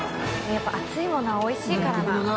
やっぱ熱いものはおいしいからな。